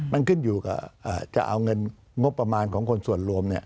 มันขึ้นอยู่กับจะเอาเงินงบประมาณของคนส่วนรวม